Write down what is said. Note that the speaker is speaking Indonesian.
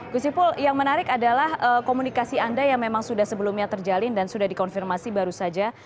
gus ipul yang menarik adalah komunikasi anda yang memang sudah sebelumnya terjalin dan sudah dikonfirmasi baru saja